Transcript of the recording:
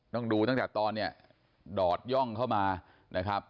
ต้องดูตั้งแต่ตอนเนี่ยดอดย่องเข้ามานะครับ